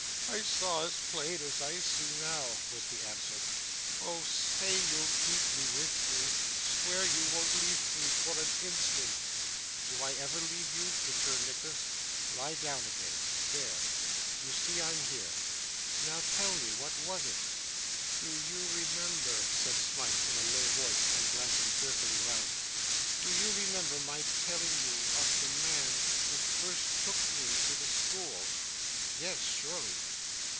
I saw as plain as I see now,' was the answer. 'Oh! say you'll keep me with you. Swear you won't leave me for an instant!' 'Do I ever leave you?' returned Nicholas. 'Lie down again there! You see I'm here. Now, tell me; what was it?' 'Do you remember,' said Smike, in a low voice, and glancing fearfully round, 'do you remember my telling you of the man who first took me to the school?' 'Yes, surely.